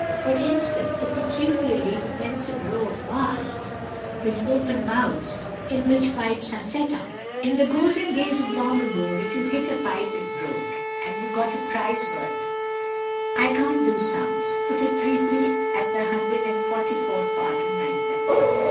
For instance, a peculiarly offensive row of masks with open mouths in which pipes are set up. In the golden days of long ago if you hit a pipe it broke—and you got a "prize" worth—I can't do sums—put it briefly at the hundred and forty fourth part of ninepence.